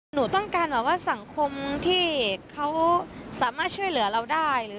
หนูต้องการแบบว่าสังคมที่เขาสามารถช่วยเหลือเราได้